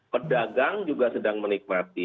pedagang juga sedang menikmati